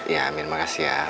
iya amin makasih ya